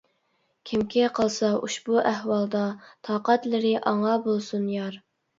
كىمكى قالسا ئۇشبۇ ئەھۋالدا، تاقەتلىرى ئاڭا بولسۇن يار.